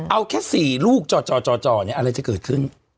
เอาแค่๔ลูกจ่ออะไรจะเกิดขึ้น